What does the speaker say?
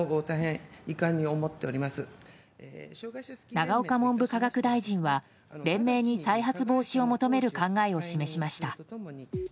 永岡文部科学大臣は連盟に再発防止を求める考えを示しました。